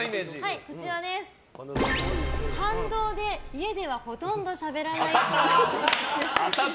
反動で、家ではほとんどしゃべらないっぽい。